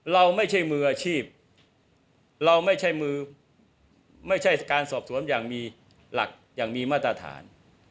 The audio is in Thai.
๑เราไม่ใช่มือชีพเราไม่ใช่การสอบสวมอย่างมีณมัตตาฐาน